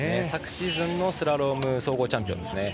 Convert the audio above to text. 昨シーズンスラロームの総合チャンピオンです。